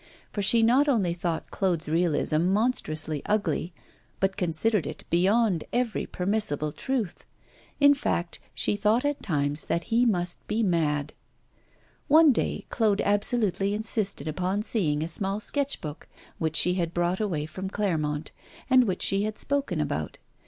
For she not only thought Claude's realism monstrously ugly, but considered it beyond every permissible truth. In fact, she thought at times that he must be mad. One day Claude absolutely insisted upon seeing a small sketch book which she had brought away from Clermont, and which she had spoken about.